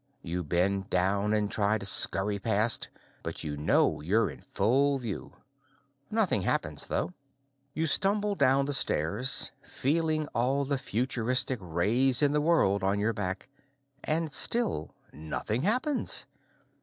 You bend down and try to scurry past, but you know you're in full view. Nothing happens, though. You stumble down the stairs, feeling all the futuristic rays in the world on your back, and still nothing happens.